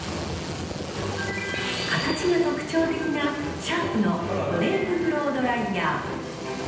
形が特徴的な、シャープのドレープフロードライヤー。